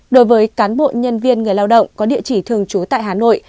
đối với cán bộ nhân viên người lao động có địa chỉ thường trú tại hà nội